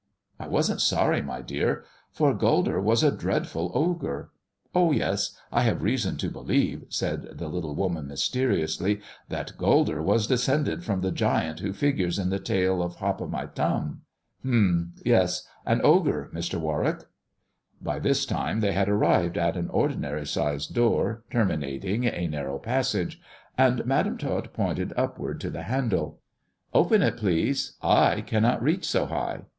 I wasn't sorry, my dear, for Gulder was a dreadful ogre. Oh, yes, I have reason to believe," said the little woman mysteriously, " that Gulder was descended from the giant who figures in the tale of Hop o' my Thumb. H'm ! yes. An ogre, Mr. Warwick." By this time they had arrived at an ordinary sized door, terminating a narrow passage, and Madam Tot pointed upward to the handle. Open it, please. I cannot reach so high.